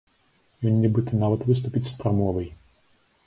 Ён, нібыта, нават выступіць з прамовай.